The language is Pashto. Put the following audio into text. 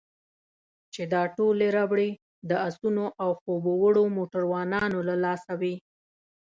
چې دا ټولې ربړې د اسونو او خوب وړو موټروانانو له لاسه وې.